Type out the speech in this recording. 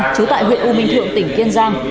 trú tại huyện u minh thượng tỉnh kiên giang